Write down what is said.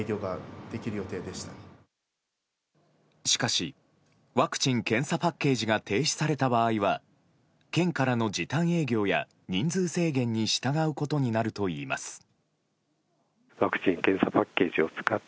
しかしワクチン・検査パッケージが停止された場合は県からの時短営業や人数制限に従うことになるといいます。